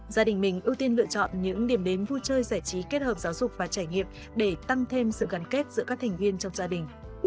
gia đình mình ưu tiên lựa chọn những điểm đến vui chơi giải trí kết hợp giáo dục và trải nghiệm để tăng thêm sự gắn kết giữa các thành viên trong gia đình